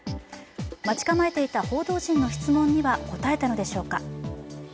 待ち構えていた報道陣の質問には答えたのでしょうか。